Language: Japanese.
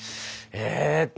えっと。